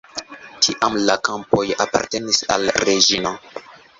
Tiam la kampoj apartenis al la reĝino.